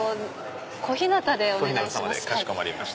小日向でお願いします。